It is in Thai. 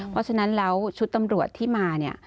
เพราะฉะนั้นแล้วชุดตำรวจที่มาเนี่ย